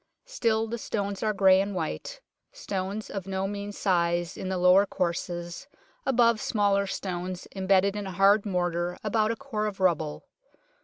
Still the stones are grey and white, stones of no mean size in the lower courses, above smaller stones, embedded in a hard mortar about a core of rubble.